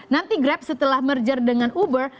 nanti grab setelah merger dengan uber